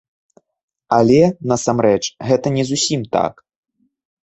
Але, насамрэч, гэта не зусім так.